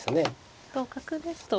同角ですと。